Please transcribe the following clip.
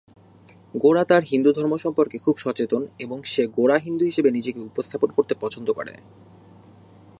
গোরা তার হিন্দুধর্ম সম্পর্কে খুব সচেতন এবং সে গোঁড়া হিন্দু হিসাবে নিজেকে উপস্থাপন করতে পছন্দ করে।